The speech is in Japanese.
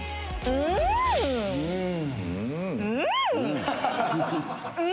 うん！